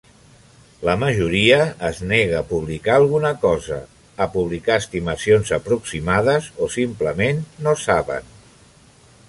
La majoria es nega a publicar alguna cosa, a publicar estimacions aproximades o simplement no saben.